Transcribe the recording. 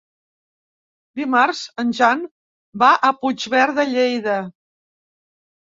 Dimarts en Jan va a Puigverd de Lleida.